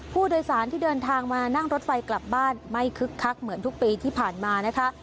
ผู้โดยสารที่เดินทางมานั่งรถไฟกลับบ้านไม่คึกคักเหมือนทุกปีที่ผ่านมานะคะ